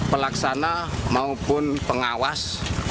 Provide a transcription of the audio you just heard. pelaksana maupun pengawas